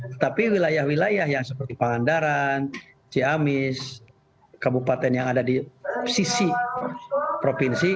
tetapi wilayah wilayah yang seperti pangandaran ciamis kabupaten yang ada di sisi provinsi